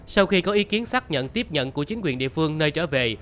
sau khi có ý kiến xác nhận tiếp nhận của chính quyền địa phương nơi trở về